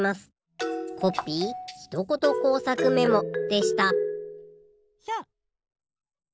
コッピーひとこと工作メモでしたひゃっ！